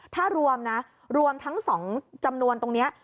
ถ้ารวมนะรวมทั้ง๒จำนวนตรงนี้